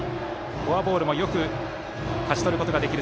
フォアボールもよく勝ちとることができる